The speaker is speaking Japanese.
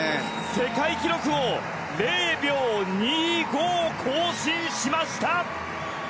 世界記録を０秒２５更新しました。